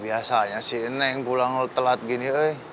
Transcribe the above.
biasanya si neng pulang telat begini